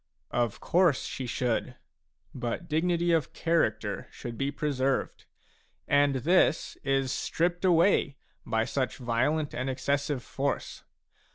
" Of course she should ; but dignity of character should be preserved, and this is stripped away by such violent and exces sive force.